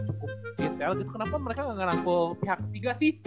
cukup detail gitu kenapa mereka gak ngerangkul pihak ketiga sih